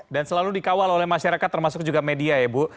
dan selalu dikawal oleh masyarakat termasuk juga media ya bu